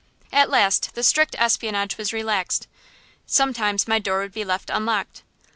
At last the strict espionage was relaxed. Sometimes my door would be left unlocked.